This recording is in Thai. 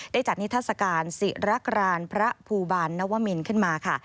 จัดนิทัศกาลศิรกรานพระภูบาลนวมินขึ้นมาค่ะ